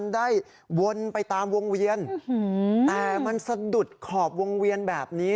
ได้วนไปตามวงเวียนแต่มันสะดุดขอบวงเวียนแบบนี้